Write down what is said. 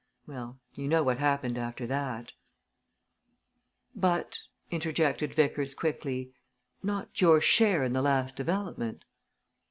Well you know what happened after that " "But," interjected Vickers, quickly, "not your share in the last development."